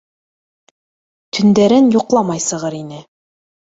Төндәрен йоҡламай сығыр ине.